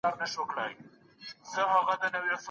ډېر لوړ ږغ پاڼه نه وه ړنګه کړې.